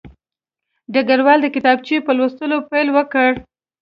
ډګروال د کتابچې په لوستلو پیل وکړ